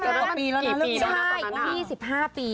จด๖ปีแล้วนะเลิกแสนใช่๒๕ปี